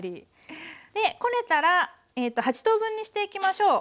でこねたら８等分にしていきましょう。